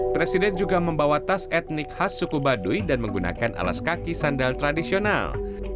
presiden juga membawa tas etnik khas suku baduy dan menggunakan alas kaki sandal tradisional